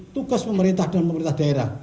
tugas pemerintah dan pemerintah daerah